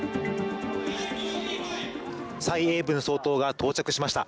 蔡英文総統が到着しました。